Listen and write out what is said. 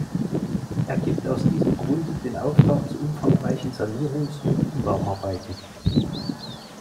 Er gibt aus diesem Grunde den Auftrag zu umfangreichen Sanierungs- und Umbauarbeiten.